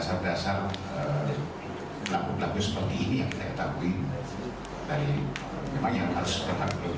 secara psikologi untuk sudah lama betul betul menjalankan persangkutan ini